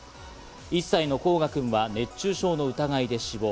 １歳の煌翔くんは熱中症の疑いで死亡。